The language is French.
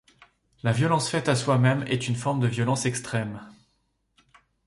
La violence faite à soi-même est une forme de violence extrême.